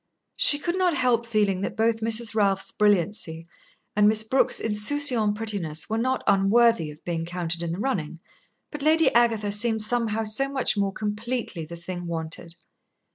She could not help feeling that both Mrs. Ralph's brilliancy and Miss Brooke's insouciant prettiness were not unworthy of being counted in the running, but Lady Agatha seemed somehow so much more completely the thing wanted.